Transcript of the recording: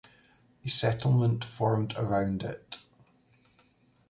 A settlement formed around it.